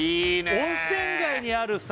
温泉街にあるさ